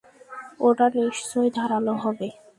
ওটা নিশ্চয়ই ধারালো হবে।